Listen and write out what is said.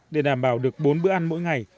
để đảm bảo được bốn bữa ăn mỗi ngày